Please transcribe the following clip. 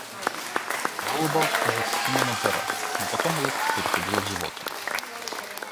Я улыбался по двадцати минут зараз, но потом улыбка переходила в зевоту.